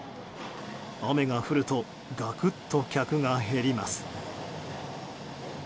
雨が降るとガクッと客が減ります。